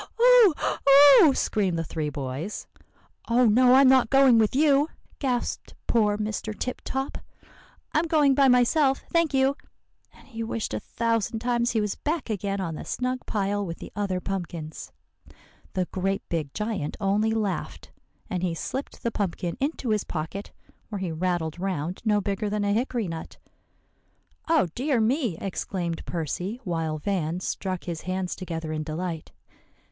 "Oh! oh!" screamed the three boys. "'Oh! no, I'm not going with you,' gasped poor Mr. Tip Top; 'I'm going by myself, thank you.' And he wished a thousand times he was back again on the snug pile with the other pumpkins. "The great big giant only laughed; and he slipped the pumpkin into his pocket, where he rattled round no bigger than a hickory nut." "Oh, dear me!" exclaimed Percy, while Van struck his hands together in delight.